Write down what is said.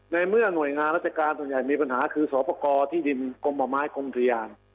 ในเมื่อหน่วยงานรัฐการณ์ส่วนใหญ่มีปัญหาคือสวปกรที่ดินกลมประมาณกลมทรยาน